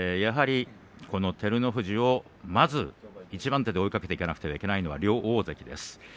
やはりこの照ノ富士を一番手で追いかけていかなければいけないのは両大関です。